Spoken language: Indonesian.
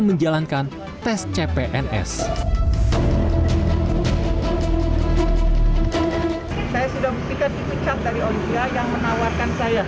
bu ada yang mau masuk cpns tidak